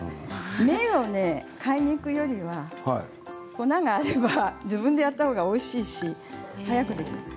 麺を買いに行くよりは粉があれば自分でやった方がおいしいし、早くできます。